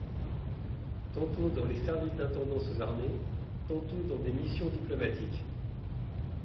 Tantôt dans les services d’intendance aux armées, tantôt dans des missions diplomatiques.